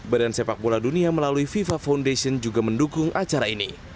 badan sepak bola dunia melalui fifa foundation juga mendukung acara ini